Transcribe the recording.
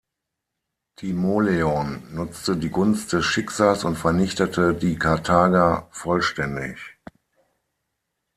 Timoleon nutzte die Gunst des Schicksals und vernichtete die Karthager vollständig.